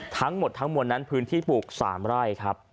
ทั้งหมดทั้งมวลนั้นพื้นที่ปลูก๓ไร่ครับ